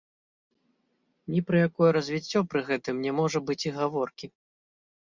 Ні пра якое развіццё пры гэтым не можа быць і гаворкі.